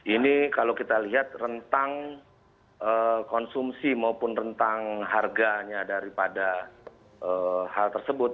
ini kalau kita lihat rentang konsumsi maupun rentang harganya daripada hal tersebut